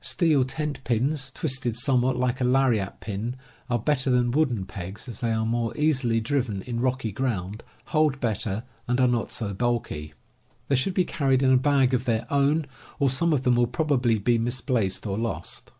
Steel tent pins, twisted somewhat like a lariat pin, are better than wooden pegs, as they are more easily driven in rocky ground, hold better, and are not so bulky. They should be carried in a bag of their own, or some of them will probably be misplaced or lost.